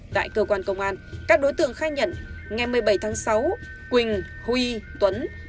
tại cơ quan công an các đối tượng khai nhận ngày một mươi bảy tháng sáu quỳnh huy tuấn